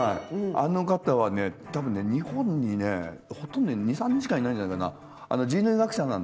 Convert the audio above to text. あの方はね多分日本にほとんど２３人しかいないんじゃないかな。